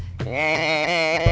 syukur orang utama tidak diet